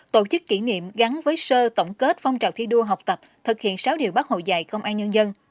tổ chức kỷ niệm gắn với sơ tổng kết phong trào thi đua học tập thực hiện sáu điều bác hồ dạy công an nhân dân